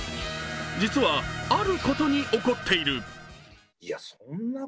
実はあることに怒っている。